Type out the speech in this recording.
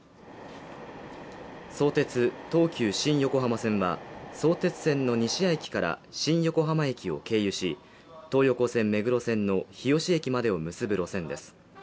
相鉄・東急新横浜線は相鉄線の西谷駅から新横浜駅を経由し東横線・目黒線の日吉駅までを結ぶ路線です。